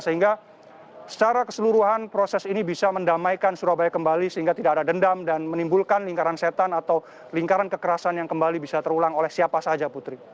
sehingga secara keseluruhan proses ini bisa mendamaikan surabaya kembali sehingga tidak ada dendam dan menimbulkan lingkaran setan atau lingkaran kekerasan yang kembali bisa terulang oleh siapa saja putri